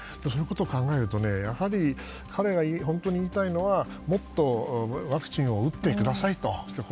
そういうことを考えると彼が本当に言いたいのはもっとワクチンを打ってくださいと。